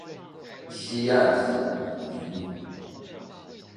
西岸是雨林